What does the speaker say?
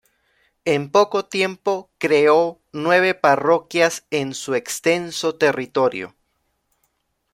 En poco tiempo creó nueve parroquias en su extenso territorio.